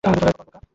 কপাল, বোকা!